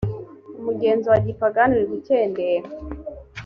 umugenzo wa gipagani urigukendera.